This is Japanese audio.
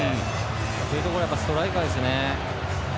そういうところはやっぱりストライカーですね。